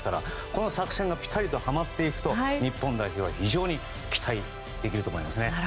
この作戦がピタリとはまっていくと日本代表は非常に期待できると思います。